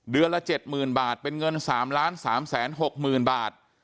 เดือนละ๗๐๐๐๐บาทเป็นเงิน๓๓๖๐๐๐๐บาท